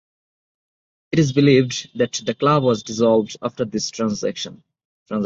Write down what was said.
It is believed that the club was dissolved after this transaction.